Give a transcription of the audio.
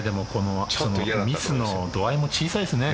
ミスの度合いも小さいですね。